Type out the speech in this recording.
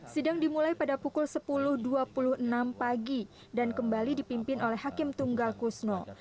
sidang dimulai pada pukul sepuluh dua puluh enam pagi dan kembali dipimpin oleh hakim tunggal kusno